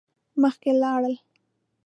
مخکی لاړل.